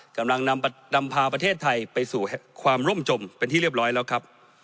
กำลังนำพาประเทศไทยไปสู่ความร่มจมเป็นที่เรียบร้อยแล้วครับ